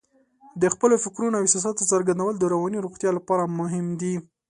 د خپلو فکرونو او احساساتو څرګندول د رواني روغتیا لپاره مهم دي.